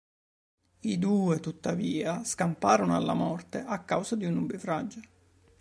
I due tuttavia scamparono alla morte a causa di un nubifragio.